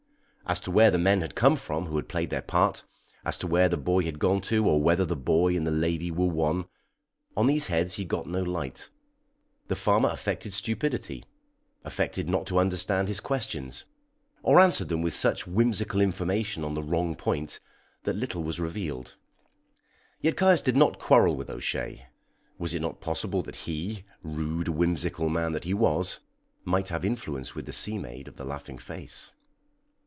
As to where the men had come from who had played their part, as to where the boy had gone to, or whether the boy and the lady were one on these heads he got no light. The farmer affected stupidity affected not to understand his questions, or answered them with such whimsical information on the wrong point that little was revealed. Yet Caius did not quarrel with O'Shea. Was it not possible that he, rude, whimsical man that he was, might have influence with the sea maid of the laughing face?